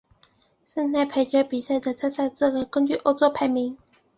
室内排球比赛的参赛资格根据欧洲排名。